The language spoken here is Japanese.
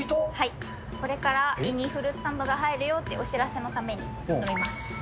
これから胃にフルーツサンドが入るよってお知らせのために、飲みます。